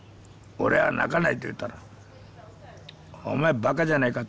「俺は泣かない」と言ったら「お前ばかじゃないか」と。